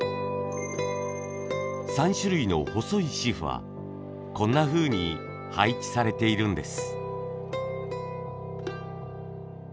３種類の細い紙布はこんなふうに配置されているんです。